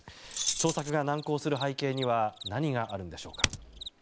捜索が難航する背景には何があるんでしょうか。